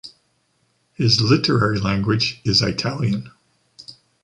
His literary language is Italian.